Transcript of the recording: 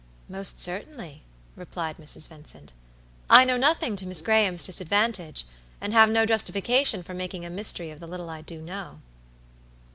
"Most certainly," replied Mrs. Vincent. "I know nothing to Miss Graham's disadvantage, and have no justification for making a mystery of the little I do know."